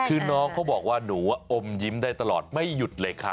คือน้องเขาบอกว่าหนูอมยิ้มได้ตลอดไม่หยุดเลยค่ะ